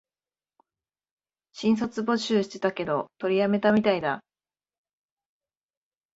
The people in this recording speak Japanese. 新卒募集してたけど、取りやめたみたいだ